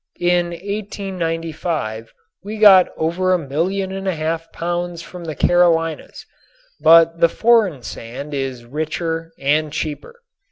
In 1895 we got over a million and a half pounds from the Carolinas, but the foreign sand is richer and cheaper.